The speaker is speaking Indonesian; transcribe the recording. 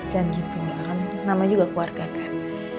jangan gitu nama juga keluarga kan